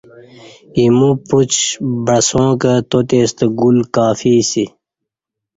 ایمو پوچ بعساں کہ تاتے ستہ گُل کافی اسی